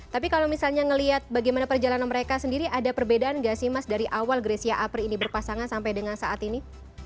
tapi kalau misalnya melihat bagaimana perjalanan mereka sendiri ada perbedaan nggak sih mas dari awal grecia apri ini berpasangan sampai dengan saat ini